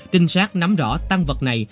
tinh sát nắm rõ tăng vật này